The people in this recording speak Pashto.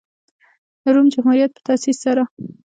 د روم جمهوریت په تاسیس سره.